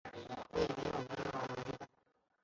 以我的能力没办法